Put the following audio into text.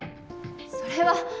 それは。